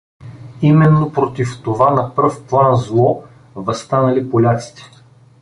Именно против това на пръв план зло въстанали поляците.